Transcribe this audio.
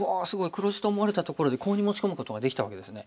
黒地と思われたところでコウに持ち込むことができたわけですね。